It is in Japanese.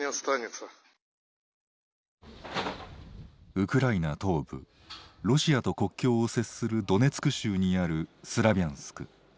ウクライナ東部ロシアと国境を接するドネツク州にあるスラビャンスク。